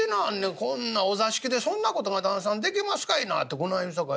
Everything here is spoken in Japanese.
こんなお座敷でそんな事が旦さんできますかいな』てこない言うさかい